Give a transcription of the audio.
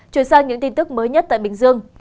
chuyển sang những tin tức mới nhất tại bình dương